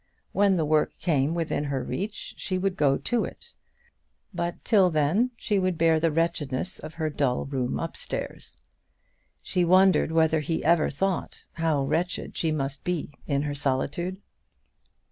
When the work came within her reach she would go to it, but till then she would bear the wretchedness of her dull room upstairs. She wondered whether he ever thought how wretched she must be in her solitude.